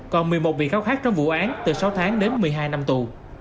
còn một mươi một bị cáo khác trong vụ án từ sáu tháng đến một mươi hai năm tù